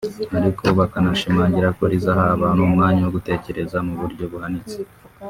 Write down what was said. ariko bakanashimangira ko rizaha abantu umwanya wo gutekereza mu buryo buhanitse